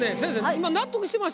今納得してました。